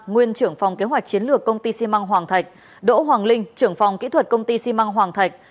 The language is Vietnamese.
nguyên trưởng phòng kế hoạch chiến lược công ty xi măng hoàng thạch đỗ hoàng linh trưởng phòng kỹ thuật công ty xi măng hoàng thạch